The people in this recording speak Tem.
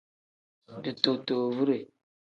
Ditootowure.